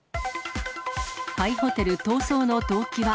廃ホテル、逃走の動機は？